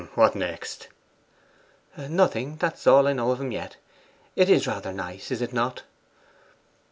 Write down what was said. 'H'm! what next?' 'Nothing; that's all I know of him yet. It is rather nice, is it not?